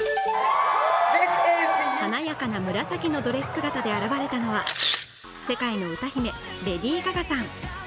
華やかな紫のドレス姿で現れたのは世界の歌姫、レディー・ガガさん。